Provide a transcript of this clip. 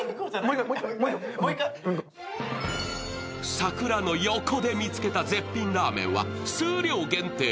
桜の横で見つけた絶品ラーメンは数量限定。